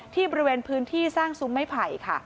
บริเวณพื้นที่สร้างซุ้มไม้ไผ่ค่ะ